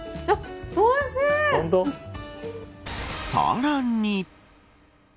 さらに。